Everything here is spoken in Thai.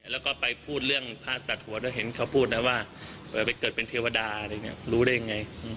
แล้วก็ไปพูดเรื่องภาษาตัดหัวแล้วเห็นเค้าพูดนะว่าเกิดเป็นเทวดารู้ได้อย่างไร